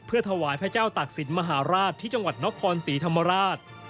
ถวายพระเจ้าตากศิลปมหาราชที่จังหวัดนครศรีธรรมราช